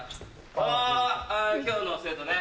あぁ今日の生徒ね。